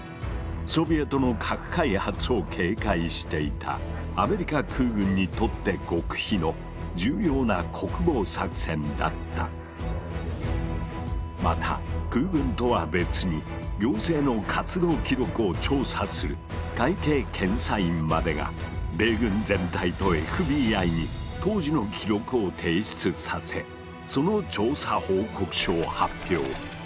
ソビエトの核開発を警戒していたアメリカ空軍にとって極秘のまた空軍とは別に行政の活動記録を調査する会計検査院までが米軍全体とＦＢＩに当時の記録を提出させその調査報告書を発表。